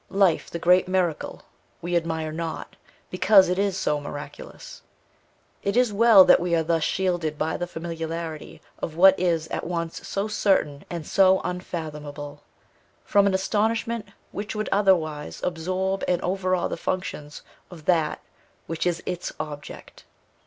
Life, the great miracle, we admire not, because it is so miraculous. It is well that we are thus shielded by the familiarity of what is at once so certain and so unfathomable, from an astonishment which would otherwise absorb and overawe the functions of that which is its object.